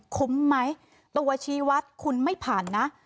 คุ้มไหมตัวชีวัตรคุณไม่ผ่านนะ